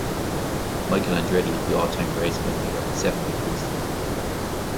Michael Andretti is the all-time race win leader with seven victories.